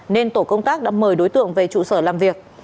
nên tổ công tác đã mời đối tượng về trụ sở làm việc